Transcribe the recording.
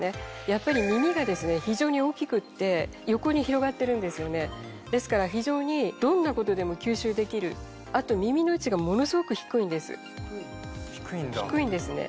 やっぱり耳が非常に大きくて横に広がってるんですよねですから非常にどんなことでも吸収できるあと低いんだ低いんですね